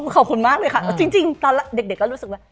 ขอบคุณมากเลยค่ะจริงตอนเด็กก็รู้สึกว่า